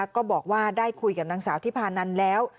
ก็บอกว่าได้คุยกับนางสาวที่พานันแล้ว